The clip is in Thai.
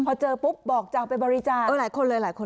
พอเจอปุ๊บบอกจะเอาไปบริจาคเออหลายคนเลยหลายคน